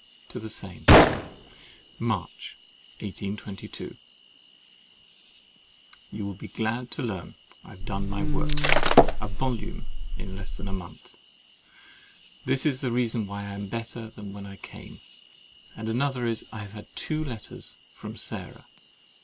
TO THE SAME March, 1822. —You will be glad to learn I have done my work—a volume in less than a month. This is one reason why I am better than when I came, and another is, I have had two letters from Sarah.